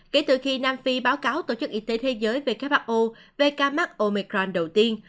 kể từ khi nam phi báo cáo tổ chức y tế thế giới who về ca mắc omecram đầu tiên